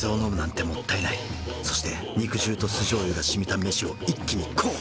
そして肉汁と酢醤油がしみた飯を一気にこう！